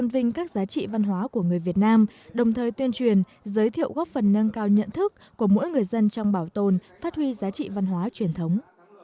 vinh các giá trị văn hóa của người việt nam đồng thời tuyên truyền giới thiệu góp phần nâng cao nhận thức của mỗi người dân trong bảo tồn phát huy giá trị văn hóa truyền thống